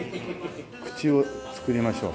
口を作りましょう。